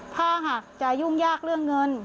ถ้าหากจะยุ่งยากเรื่องเงิน